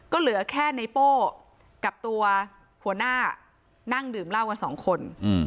ก็เหลือแค่ในโป้กับตัวหัวหน้านั่งดื่มเหล้ากันสองคน